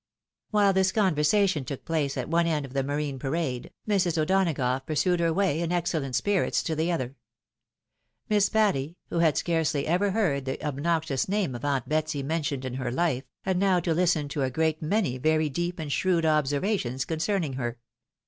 While this conversation took place at one end of the Marine parade, Mrs. O'Donagough pursued her way in excellent spirits to the other. Miss Patty, who had scarcely ever heard the obnoxious name of aunt Betsy mentioned in her life, had now to listen to a great many very deep and shrewd observations con cerning her.